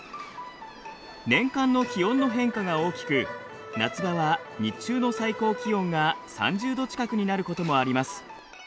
年間の気温の変化が大きく夏場は日中の最高気温が３０度近くになることもあります。